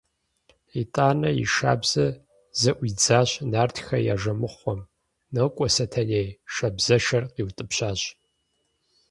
Итӏанэ и шабзэр зэӏуидзащ нартхэ я жэмыхъуэм: – Нокӏуэ, Сэтэней! – шабзэшэр къиутӏыпщащ.